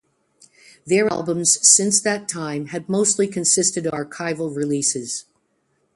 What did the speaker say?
Their albums since that time had mostly consisted of archival releases.